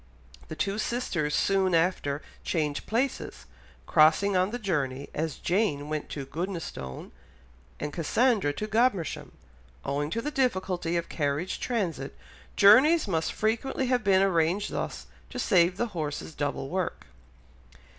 The two sisters soon after changed places, crossing on the journey, as Jane went to Goodnestone and Cassandra to Godmersham; owing to the difficulty of carriage transit, journeys must frequently have been arranged thus to save the horses double work.